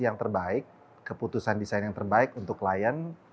yang terbaik keputusan desain yang terbaik untuk klien